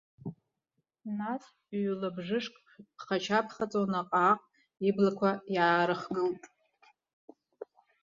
Нас ҩ-лабжышк ԥхашьаԥхаҵо наҟ-ааҟ иблақәа иаарыхгылт.